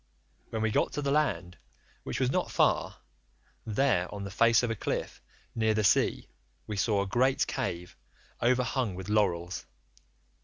When we got to the land, which was not far, there, on the face of a cliff near the sea, we saw a great cave overhung with laurels.